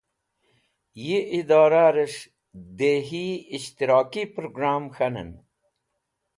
Yi Idora res̃h Dehi Ishtiraki program k̃hanen